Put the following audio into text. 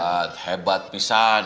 hebat hebat pisan